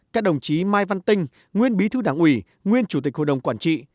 các đồng chí mai văn tinh nguyên bí thư đảng ủy nguyên chủ tịch hội đồng quản trị